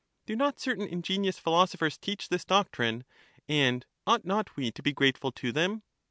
Do not certain ingenious philosophers teach this doctrine, and ought not we to be grateful to them